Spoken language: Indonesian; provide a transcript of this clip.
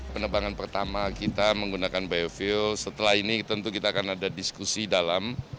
penerbangan pertama kita menggunakan biofuel setelah ini tentu kita akan ada diskusi dalam